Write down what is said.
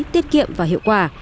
tiết kiệm và hiệu quả